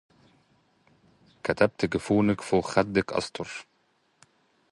كتبت جفونك فوق خدك أسطرا